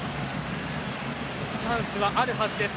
チャンスはあるはずです。